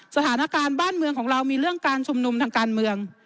สถานการณ์บ้านเมืองของเรามีเรื่องการชุมนุมทางการเมือง